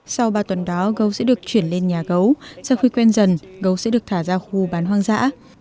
sau ba tuần đó gấu sẽ được chuyển lên nhà gấu sau khi quen dần gấu sẽ được thả ra khu bán hoang dã